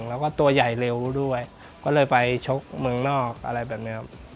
แล้วก็ตัวใหญ่เร็วด้วยก็เลยไปชกเมืองนอกอะไรแบบนี้ครับ